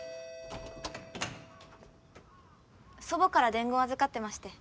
祖母から伝言預かってまして。